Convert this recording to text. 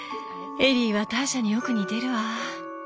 エリーはターシャによく似てるわ。